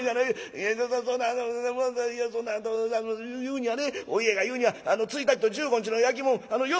そんなあの言うにはねお家が言うには１日と１５日の焼きもんよ